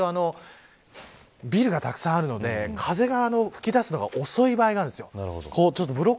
街中だと、わりとビルがたくさんあるので風が吹き出すのが遅い場合があるんです。